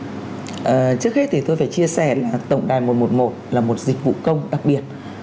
trước hết thì tôi phải chia sẻ là tổng đài một trăm một mươi một là một dịch vụ công đặc biệt